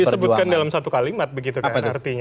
disebutkan dalam satu kalimat begitu kan artinya